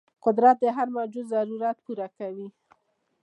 قدرت د هر موجود ضرورت پوره کوي.